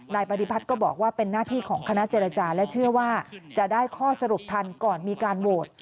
ปฏิพัฒน์ก็บอกว่าเป็นหน้าที่ของคณะเจรจาและเชื่อว่าจะได้ข้อสรุปทันก่อนมีการโหวต